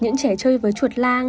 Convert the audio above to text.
những trẻ chơi với chuột lang